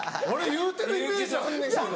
言うてるイメージあんねんけど。